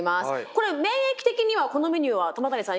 これ免疫的にはこのメニューは玉谷さん